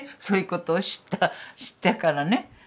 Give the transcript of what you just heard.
そういうことを知った知ってからね。